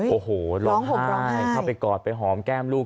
โอ้โหร้องไห้เข้าไปกอดไปหอมแก้มลูก